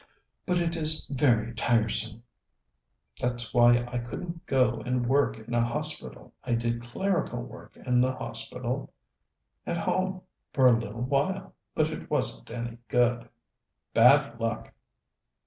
But it is very tiresome. That's why I couldn't go and work in a hospital. I did clerical work in the hospital at home for a little while, but it wasn't any good." "Bad luck!"